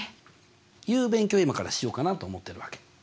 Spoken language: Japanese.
いう勉強を今からしようかなって思ってるわけ。